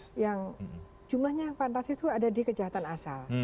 yang jumlahnya yang fantastis itu ada di kejahatan asal